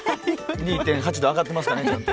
２．８度上がってますかねちゃんと。